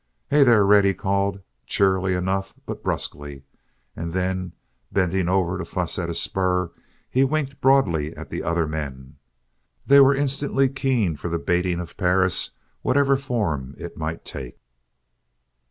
"Hey there, Red!" he called, cheerily enough, but brusquely, and then, bending over to fuss at a spur, he winked broadly at the other men. They were instantly keen for the baiting of Perris, whatever form it might take.